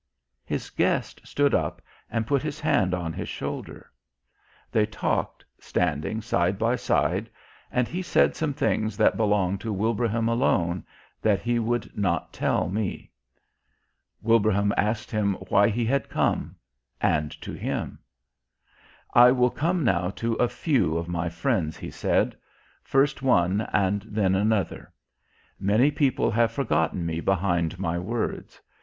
His Guest stood up and put His Hand on his shoulder. They talked, standing side by side, and He said some things that belonged to Wilbraham alone, that he would not tell me. Wilbraham asked Him why He had come and to him. "I will come now to a few of My friends," He said. "First one and then another. Many people have forgotten Me behind My words.